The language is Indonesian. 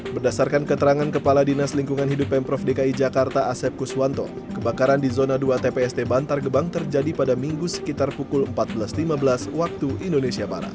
berdasarkan keterangan kepala dinas lingkungan hidup pemprov dki jakarta asep kuswanto kebakaran di zona dua tpst bantar gebang terjadi pada minggu sekitar pukul empat belas lima belas waktu indonesia barat